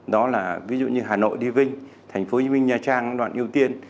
đó là ví dụ như hà nội đi vinh tp hcm đoạn ưu tiên